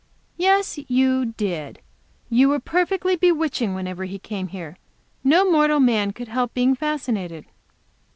"Yes, you did. You were perfectly bewitching whenever he came here. No mortal man could help being fascinated."